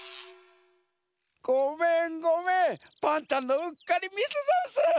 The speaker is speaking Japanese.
ごめんごめんパンタンのうっかりミスざんす。